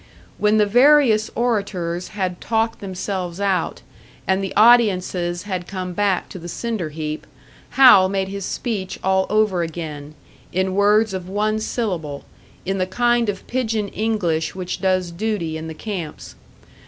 When the various orators had talked themselves out, and the audiences had come back to the cinder heap, Hal made his speech all over again, in words of one syllable, in the kind of pidgin English which does duty in the camps.